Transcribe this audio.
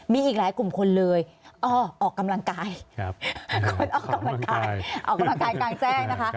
มีอีกหลายกลุ่มคนเลยออกกำลังกายกำลังกายกลางแจ้งนะคะ